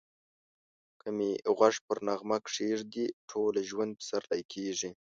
که می غوږ پر نغمه کښېږدې ټوله ژوند پسرلی کېږی